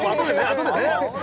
あとでね